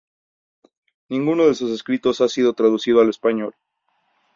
Ninguno de sus escritos ha sido traducido al español.